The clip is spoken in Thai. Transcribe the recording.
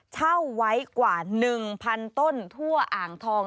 เช่าไว้กว่า๑๐๐๐ต้นทั่วอ่างทอง